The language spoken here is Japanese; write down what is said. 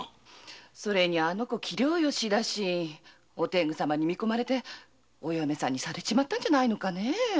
それに器量よしだしお天狗様に見込まれてお嫁さんにされちまったんじゃないのかねぇ。